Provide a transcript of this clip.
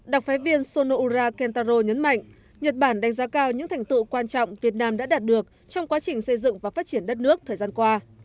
đặc phái viên sonora kentaro nhấn mạnh nhật bản đánh giá cao những thành tựu quan trọng việt nam đã đạt được trong quá trình xây dựng và phát triển đất nước thời gian qua